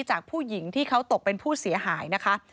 จากผู้หญิงที่เขาตกเป็นผู้เสียหายนะคะ